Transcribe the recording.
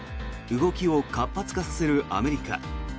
動きを活発化させるアメリカ。